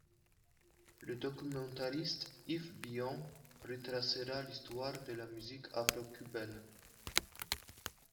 Le documentariste Yves Billon retracera l’histoire de la musique afro-cubaine.